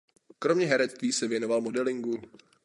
Kromě herectví se věnoval modelingu.